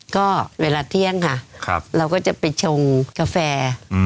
ก็เวลาเที่ยงค่ะเราก็จะไปชงกาแฟ